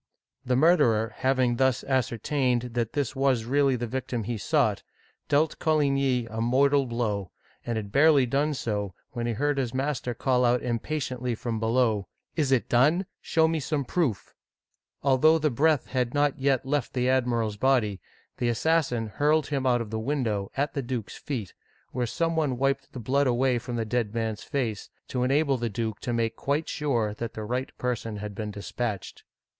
*' The murderer, having thus ascertained that this was really the victim he sought, dealt Coligny a mortal blow, and had barely done so, when he heard his master call out Digitized by Google CHARLES IX. (1560 1574) 26, 'o impatiently from below, " Is it done ? Show me some proof." Although the breath had not yet left the admiral's body, the assassin hurled him out of the window, at the duke*s feet, where some one wiped the blood away from the dead man's face, to enable the duke to make quite sure that the right person had been dispatched.